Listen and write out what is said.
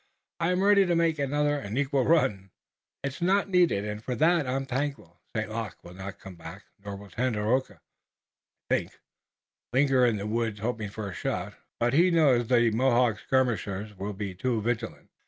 I am ready to make another and equal run." "It's not needed, and for that I'm thankful. St. Luc will not come back, nor will Tandakora, I think, linger in the woods, hoping for a shot. He knows that the Mohawk skirmishers will be too vigilant."